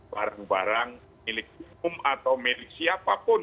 barang barang milik hukum atau milik siapapun